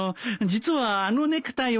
実はあのネクタイは。